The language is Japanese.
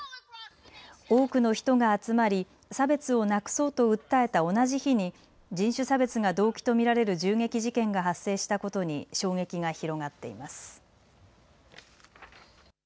多くの人が集まり差別をなくそうと訴えた同じ日に、人種差別が動機と見られる銃撃事件が発生したことに衝撃が広がっています。